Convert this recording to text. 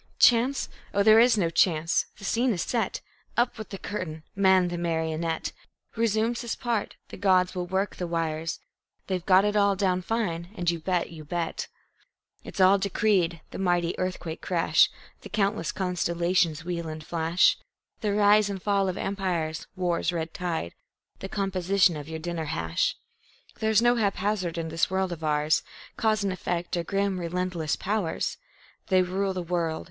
Chance! Oh, there is no chance! The scene is set. Up with the curtain! Man, the marionette, Resumes his part. The gods will work the wires. They've got it all down fine, you bet, you bet! It's all decreed the mighty earthquake crash, The countless constellations' wheel and flash; The rise and fall of empires, war's red tide; The composition of your dinner hash. There's no haphazard in this world of ours. Cause and effect are grim, relentless powers. They rule the world.